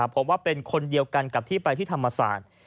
พบว่าเป็นคนเดียวกันกับที่ไปที่ธรรมศาสตร์